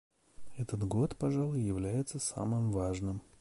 Этот год, пожалуй, является самым важным.